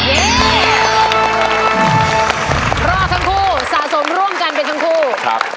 รอดทั้งคู่สะสมร่วมกันเป็นทั้งคู่ครับ